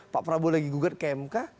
pak prabowo lagi gugat ke mk